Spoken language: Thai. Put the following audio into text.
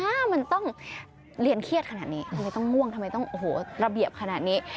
มันต้องเรียนเครียดขนาดนี้ทำไมต้องง่วงทำไมต้องโอ้โหระเบียบขนาดนี้